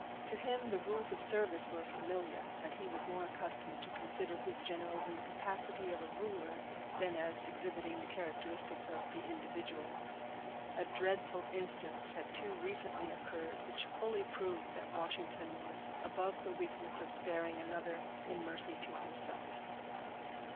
To him the rules of service were familiar, and he was more accustomed to consider his general in the capacity of a ruler, than as exhibiting the characteristics of the individual. A dreadful instance had too recently occurred, which fully proved that Washington was above the weakness of sparing another in mercy to himself.